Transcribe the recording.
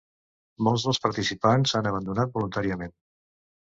Molts dels participants han abandonat voluntàriament.